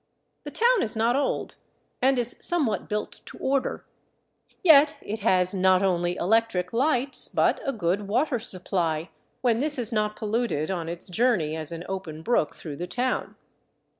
The town is not old, and is somewhat built to order. Yet it has not only electric lights, but a good water supply — when this is not polluted on its journey as an open brook through the town.